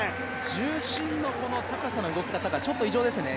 重心の高さの動き方がちょっと異常ですね。